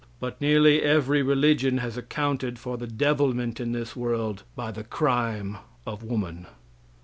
But nearly every religion has accounted for the devilment in this world by the crime of woman.